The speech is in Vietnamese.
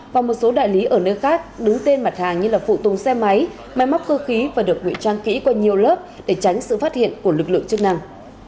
và một số đại lý ở nơi khác đứng tên mặt hàng như là phụ tùng xe máy máy móc cơ khí và được nguy trang kỹ qua nhiều lớp để tránh sự phát hiện của lực lượng chức năng